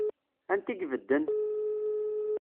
Anta i ibedden?